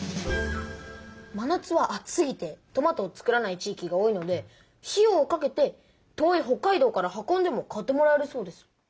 真夏は暑すぎてトマトを作らない地いきが多いので費用をかけて遠い北海道から運んでも買ってもらえるそうです。